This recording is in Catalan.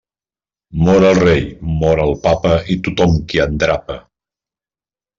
Mor el rei, mor el papa, i tothom qui endrapa.